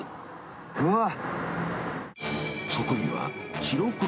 うわ！えっ！